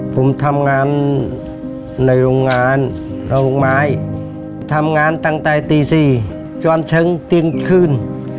ผมทำงานในโรงงานเราโรงไม้ทำงานตั้งแต่ตี๔จนถึงเที่ยงคืน